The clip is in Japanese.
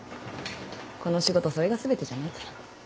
この仕事それが全てじゃないから。